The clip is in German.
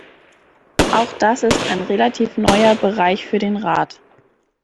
Auch das ist ein relativ neuer Bereich für den Rat.